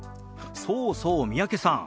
そうそう三宅さん